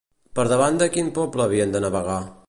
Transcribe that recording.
Per davant de quin poble havien de navegar?